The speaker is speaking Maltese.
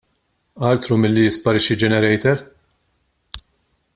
Altru milli jisparixxi generator!